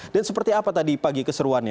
dan seperti apa tadi pagi keseruannya